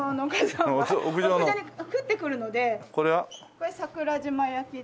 これ桜島焼です。